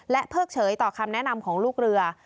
เพิกเฉยต่อคำแนะนำของลูกเรือ